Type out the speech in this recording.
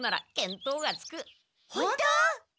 本当？